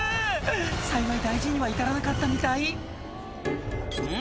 幸い大事には至らなかったみたいん？